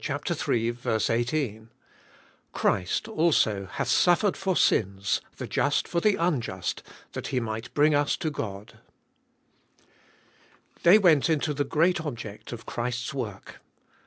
3: 18, '^Christ, also, hath suffered for sins, the just for the unjust, that He might bring us to God." They went into the great object of Christ's work.